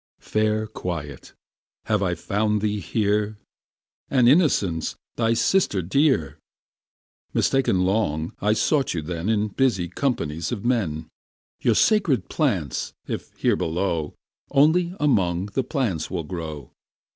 Fair Quiet, have I found thee here, And Innocence, thy sister dear! Mistaken long, I sought you then In busy companies of men; Your sacred plants, if here below, Only among the plants will grow.